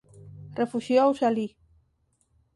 Refuxiouse alí.